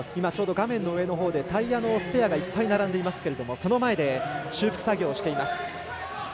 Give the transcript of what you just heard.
画面の上のほうでタイヤのスペアがいっぱい並んでますけどその前で修復作業をしています。